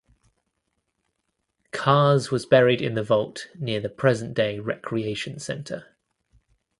Carss was buried in the vault near the present day recreation centre.